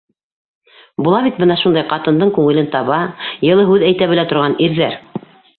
Була бит бына шундай ҡатындың күңелен таба, йылы һүҙ әйтә белә торған ирҙәр!